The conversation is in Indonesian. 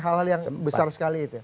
hal hal yang besar sekali itu ya